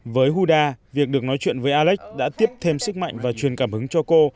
với houda việc được nói chuyện với alex đã tiếp thêm sức mạnh và truyền cảm hứng cho cô